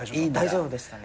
大丈夫でしたね。